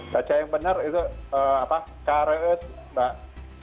baca yang benar itu apa kares mbak